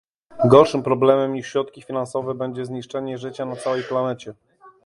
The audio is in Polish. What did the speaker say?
Gorszym problemem niż środki finansowe, będzie zniszczenie życia na całej planecie